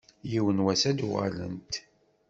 Yiwen n wass ad d-uɣalent.